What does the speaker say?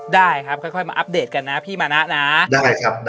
ได้ครับค่อยค่อยมาอัปเดตกันนะพี่มานะนะได้ครับได้ครับ